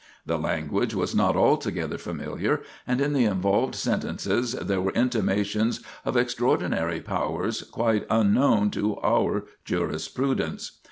The language was not altogether familiar, and in the involved sentences there were intimations of extraordinary powers quite unknown to our jurisprudence.